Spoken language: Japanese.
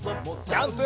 ジャンプ！